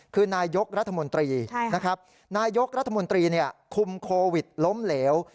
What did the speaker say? คือนายกรัฐมนตรีนะครับนายกรัฐมนตรีคุมโควิดล้มเหลว